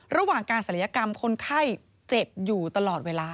ระหว่างการศัลยกรรมคนไข้เจ็บอยู่ตลอดเวลา